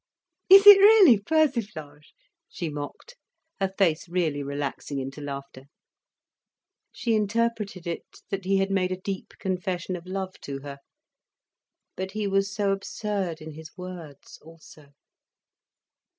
"Is it really persiflage?" she mocked, her face really relaxing into laughter. She interpreted it, that he had made a deep confession of love to her. But he was so absurd in his words, also.